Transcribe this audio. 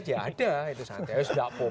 ya ada itu saja